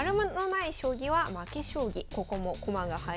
ここも駒が入ります。